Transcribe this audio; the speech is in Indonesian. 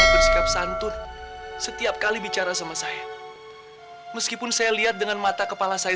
bersikap santun setiap kali bicara sama saya meskipun saya lihat dengan mata kepala saya